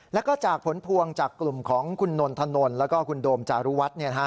แล้วก็จากผลพวงจากกลุ่มของคุณนนทนนแล้วก็คุณโดมจารุวัฒน์